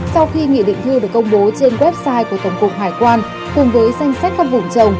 sau khi nghị định thư được công bố trên website của tổng cục hải quan trung quốc